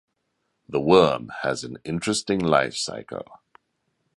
The worm has an interesting lifecycle.